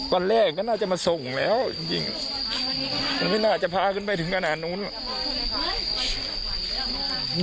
วันแรกก็น่าจะมาส่งแล้วจริงมันไม่น่าจะพาขึ้นไปถึงขนาดนู้น